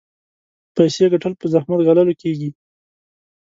پيسې ګټل په زحمت ګاللو کېږي.